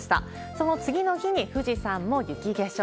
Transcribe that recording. その次の日に富士山も雪化粧。